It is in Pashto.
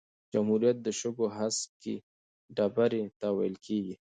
جمهوریت د شګو هسکی ډېرۍ ته ویل کیږي.